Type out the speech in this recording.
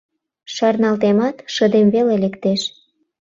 Шарналтемат, шыдем веле лектеш.